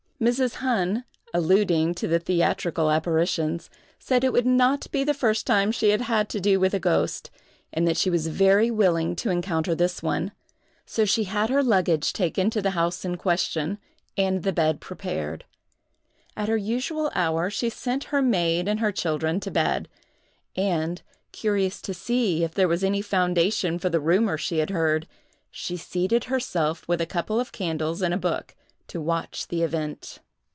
Mrs. Hunn, alluding to the theatrical apparitions, said it would not be the first time she had had to do with a ghost, and that she was very willing to encounter this one; so she had her luggage taken to the house in question, and the bed prepared. At her usual hour, she sent her maid and her children to bed, and, curious to see if there was any foundation for the rumor she had heard, she seated herself, with a couple of candles and a book, to watch the event.